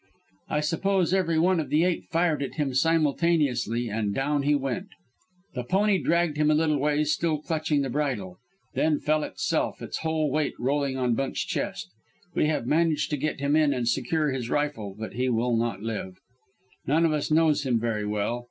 I suppose every one of the eight fired at him simultaneously, and down he went. The pony dragged him a little ways still clutching the bridle, then fell itself, its whole weight rolling on Bunt's chest. We have managed to get him in and secure his rifle, but he will not live. None of us knows him very well.